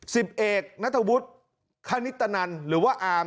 สิบเอกนัทวุฒิคณิตนันหรือว่าอาร์ม